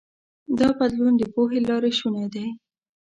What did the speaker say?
دا بدلون د پوهې له لارې شونی دی.